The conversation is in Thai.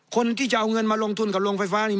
คนที่จะเอาเงินมาลงทุนกับโรงไฟฟ้านี่